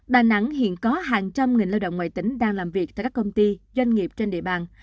đà nẵng hiện có hàng trăm nghìn lao động ngoài tỉnh đang làm việc tại các công ty doanh nghiệp trên địa bàn